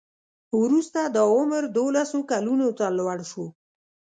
وروسته دا عمر دولسو کلونو ته لوړ شو.